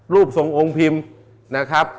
รูปทรงองค์พิมพ์นะครับ